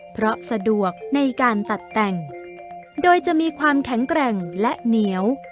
เพราะสะดวกในการตัดแต่งโดยจะมีความแข็งแกร่งและเหนียว